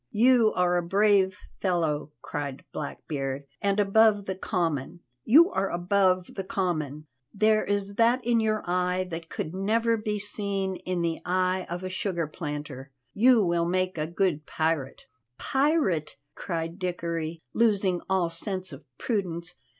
"You are a brave fellow," cried Blackbeard, "and above the common, you are above the common. There is that in your eye that could never be seen in the eye of a sugar planter. You will make a good pirate." "Pirate!" cried Dickory, losing all sense of prudence.